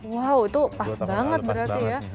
wow itu pas banget berarti ya